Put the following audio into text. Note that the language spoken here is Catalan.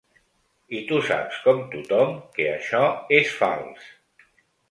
I tu saps com tothom que això és fals.